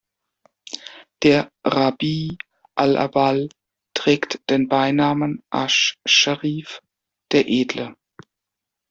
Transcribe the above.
Der Rabīʿ al-awwal trägt den Beinamen "asch-Scharīf", „der Edle“.